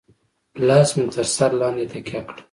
لاس مې تر سر لاندې تکيه کړه.